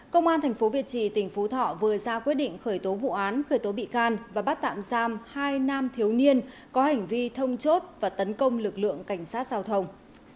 công an tp việt trì tỉnh phú thọ vừa ra quyết định khởi tố vụ án khởi tố bị can và bắt tạm giam hai nam thiếu niên có hành vi thông chốt và tấn công lực lượng cảnh sát giao thông